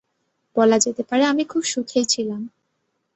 বলা যেতে পারে আমি খুব সুখেই ছিলাম।